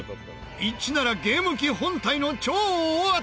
１ならゲーム機本体の超大当たり。